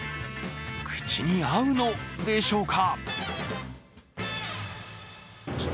口に合うのでしょうか？